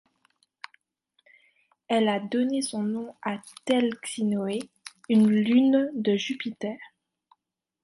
Elle a donné son nom à Thelxinoé, une lune de Jupiter.